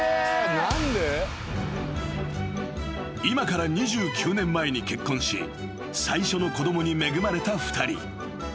［今から２９年前に結婚し最初の子供に恵まれた２人］